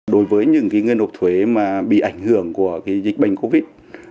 đối với những người nộp thuế bị ảnh hưởng của dịch bệnh covid